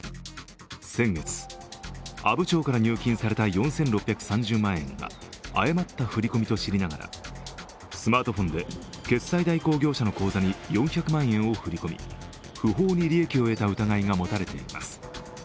先月、阿武町から入金された４６３０万円が誤った振り込みと知りながらスマートフォンで決済代行業者の口座に４００万円を振り込み不法に利益を得た疑いが持たれています。